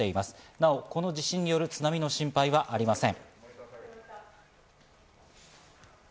なお、この地震による津波の心配はありません。